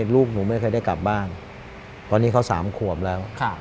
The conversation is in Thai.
ลูกหนูไม่เคยได้กลับบ้านเพราะนี่เขา๓ขวบแล้ว